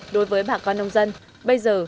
đối với bà con nông dân bây giờ